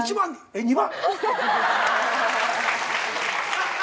えっ２番？